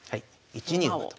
１二馬と。